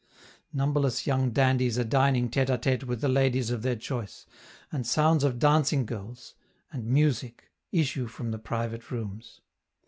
Numberless young dandies are dining tete a tete with the ladies of their choice, and sounds of dancing girls and music issue from the private rooms.